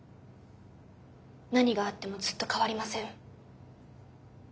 何があってもずっと変わりません。